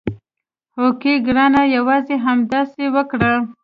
هوکې ګرانه یوازې همداسې وکړه.